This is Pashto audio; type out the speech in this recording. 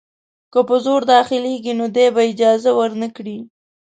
که په زور داخلیږي نو دی به اجازه ورنه کړي.